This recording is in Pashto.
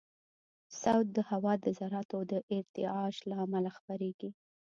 صوت د هوا د ذراتو د ارتعاش له امله خپرېږي.